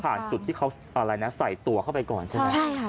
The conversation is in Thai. ผ่านจุดที่เขาใส่ตัวเข้าไปก่อนใช่ไหม